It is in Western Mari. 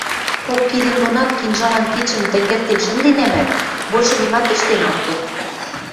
Кок кидем донат кинжалан кидшӹм тӹнгӹртен шӹнденӓмӓт, большы нимат ӹштен ам керд.